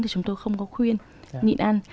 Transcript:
thì chúng tôi không có khuyên nhịn ăn